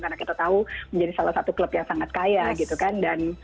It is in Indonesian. karena kita tahu menjadi salah satu klub yang sangat kaya gitu kan